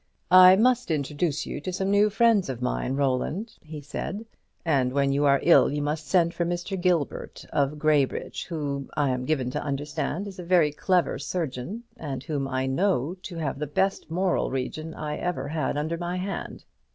"I must introduce you to some new friends of mine, Roland," he said; "and when you are ill you must send for Mr. Gilbert of Graybridge, who, I am given to understand, is a very clever surgeon, and whom I know to have the best moral region I ever had under my hand.